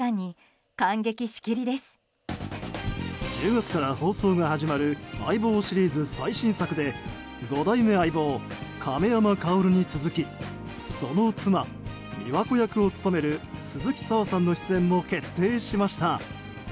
１０月から放送が始まる「相棒」シリーズ最新作で５代目相棒・亀山薫に続きその妻・美和子役を務める鈴木砂羽さんの出演も決定しました。